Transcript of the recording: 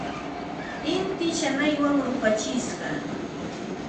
Inti shanaywan rupachishqa.